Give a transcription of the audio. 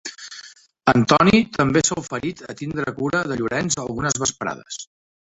Antoni també s’ha oferit a tindre cura de Llorenç algunes vesprades.